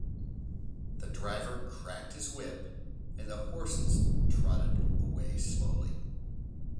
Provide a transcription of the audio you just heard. The driver cracked his whip and the horses trotted away slowly.